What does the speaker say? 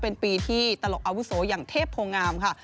เป็นปีที่ตลกอาวุโสอย่างเทพโพงามค่ะ